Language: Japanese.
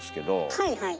はいはい。